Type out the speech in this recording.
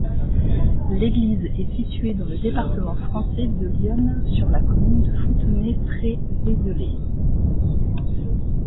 L'église est située dans le département français de l'Yonne, sur la commune de Fontenay-près-Vézelay.